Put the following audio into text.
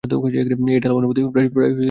এই ঢালাও অনুমতি হতে প্রায় সকলেই ফায়দা লাভ করে।